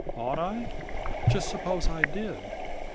"Ought I? Just suppose I did.